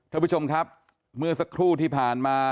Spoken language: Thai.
ท่านผู้ชมครับเมื่อสักครู่ที่ผ่านมา